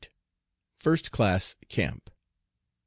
FIRST CLASS CAMP.